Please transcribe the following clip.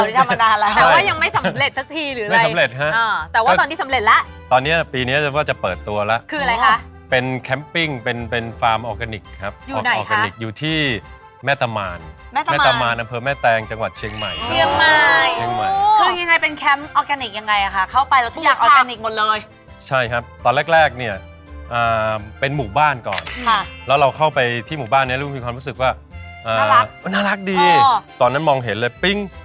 ก็มีถ่ายละครถ่ายรายการนะครับแล้วแต่ปีนี้ทำอะไรอยู่ถ่ายรายการนะครับแล้วแต่ปีนี้ทำอะไรอยู่ถ่ายรายการนะครับแล้วแต่ปีนี้ทำอะไรอยู่ถ่ายรายการนะครับแล้วแต่ปีนี้ทำอะไรอยู่ถ่ายรายการนะครับแล้วแต่ปีนี้ทำอะไรอยู่ถ่ายรายการนะครับแล้วแต่ปีนี้ทำอะไรอยู่ถ่ายรายการนะครับแล้วแต่ปีนี้ทำอะไรอยู่ถ่ายรายการนะครับแล้วแต่ปีนี้ทำอะไรอยู่ถ่ายรายการนะครับแล้วแต่ปีน